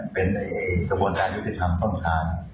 เป็นกระบวนการยุติธรรมต้นทาง